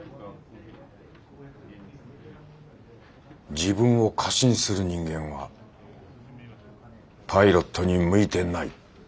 自分を過信する人間はパイロットに向いてない。